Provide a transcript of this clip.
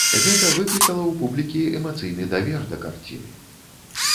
Гэта выклікала ў публікі эмацыйны давер да карціны.